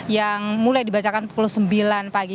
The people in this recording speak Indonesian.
yang mulai dibacakan pukul sembilan pagi